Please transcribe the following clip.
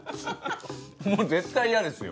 もう絶対嫌ですよ。